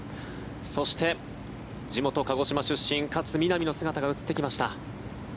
そして、地元・鹿児島出身勝みなみの姿が映ってきました。